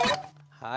はい！